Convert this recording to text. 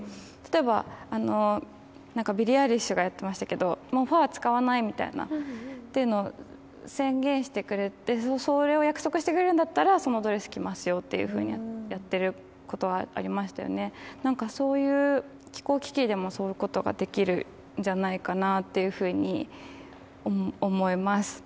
例えばビリー・アイリッシュがやってましたけどもうファー使わないみたいなっていうのを宣言してくれてそれを約束してくれるんだったらそのドレス着ますよっていうふうにやってることはありましたよねなんかそういう気候危機でもそういうことができるんじゃないかなっていうふうに思います